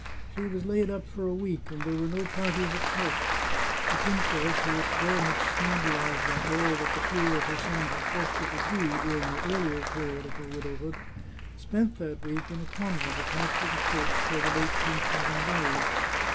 She was laid up for a week, and there were no parties at court. The princess, who was very much scandalized by all that the fear of her son had forced her to do during the ear lier period of her widowhood, spent that week in a convent attached to the church where the late prince had been buried.